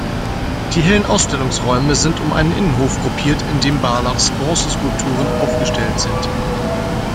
Die hellen Ausstellungsräume sind um einen Innenhof gruppiert, in dem Barlachs Bronzeskulpturen aufgestellt sind.